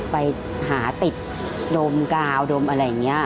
ไปหาติดดมกาวดมอะไรอย่างนี้